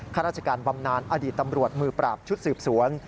ข้าราชการบำนานอดีตตำรวจมือปราบชุดสืบสวน